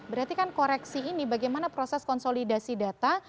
berarti kan koreksi ini bagaimana proses konsolidasi data